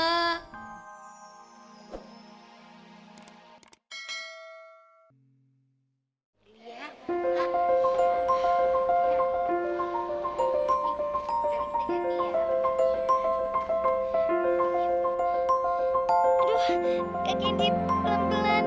aduh kak gendi pelan pelan